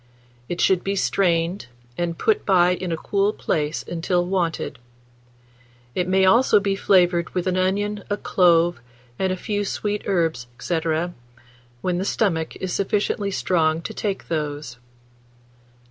It should be strained, and put by in a cool place until wanted. It may also be flavoured with an onion, a clove, and a few sweet herbs, &c., when the stomach is sufficiently strong to take those.